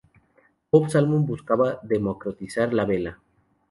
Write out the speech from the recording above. Bob Salmon buscaba democratizar la vela.